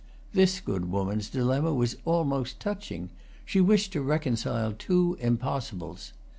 This good woman's dilemma was almost touching; she wished to reconcile two impossibles.